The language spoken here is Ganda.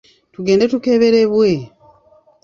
Tugende tukeberebwe